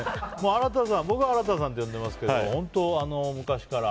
僕は新さんって呼んでいますけど本当、昔から。